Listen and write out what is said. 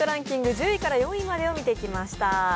１０位から４位までを見てきました。